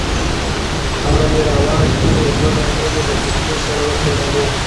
هغه مې راواخیستې یو دوه دانې مې له چکني سره وخوړلې.